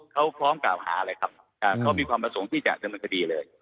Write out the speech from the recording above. เขาฟ้องกล่าวหาเลยครับเขามีความประสงค์ที่จะดำเนินคดีเลย